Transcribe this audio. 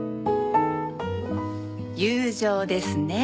友情ですね。